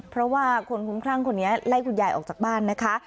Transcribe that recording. เพราะว่าคนคุ้มคลั่งคนนี้ไล่คุณยายออกจากบ้านนะคะ